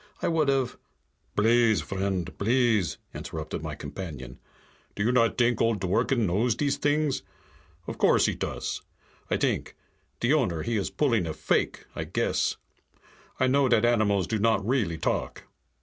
I would have " "Blease, vriend, blease!" interrupted my companion. "Do you not t'ink old Dworken knows dese things? Of course he does! I t'ink. De owner, he is pulling a fake, I guess. I know dat animals do not really talk.